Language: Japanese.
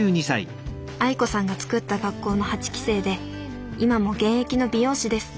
愛子さんが作った学校の８期生で今も現役の美容師です。